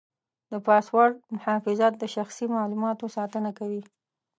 د پاسورډ محافظت د شخصي معلوماتو ساتنه کوي.